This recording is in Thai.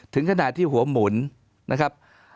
ถึงขนาดที่หัวหมุนนะครับ